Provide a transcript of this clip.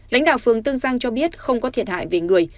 lãnh đạo phường tương giang cho biết không có thiệt hại về người